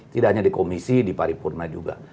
tidak hanya di komisi di paripurna juga